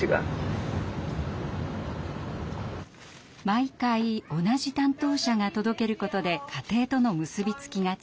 毎回同じ担当者が届けることで家庭との結び付きが強まります。